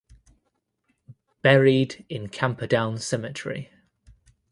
Buried in Camperdown Cemetery.